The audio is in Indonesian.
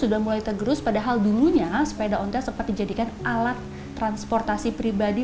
sudah mulai tergerus padahal dulunya sepeda ontel seperti jadikan alat transportasi pribadi